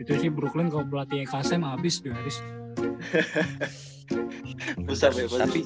itu si brooklyn kalo berlatih eksm abis tuh haris